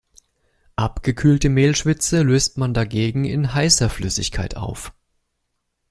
Abgekühlte Mehlschwitze löst man dagegen in heißer Flüssigkeit auf.